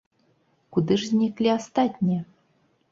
Куды ж зніклі астатнія?